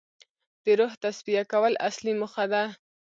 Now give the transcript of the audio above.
د روح تصفیه کول اصلي موخه ده.